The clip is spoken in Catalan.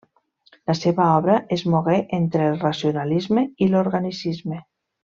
La seva obra es mogué entre el racionalisme i l'organicisme.